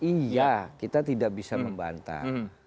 iya kita tidak bisa membantah